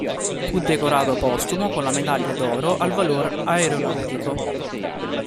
Fu decorato postumo con la Medaglia d'oro al valor aeronautico.